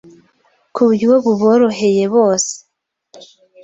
ku buryo buboroheye bose